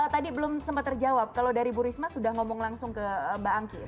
tadi belum sempat terjawab kalau dari bu risma sudah ngomong langsung ke mbak angki